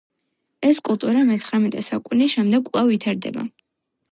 ეს კულტურა მეცხრამეტე საუკუნის შემდეგ კვლავ ვითარდება.